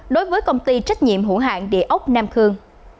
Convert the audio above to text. đối với công ty trách nhiệm hữu hạng địa ốc nam khương